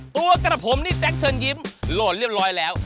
ตัวกระผมนี่แจ๊คเชิญยิ้มโหลดเรียบร้อยแล้ว